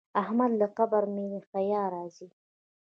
احمد له قبره مې حیا راځي.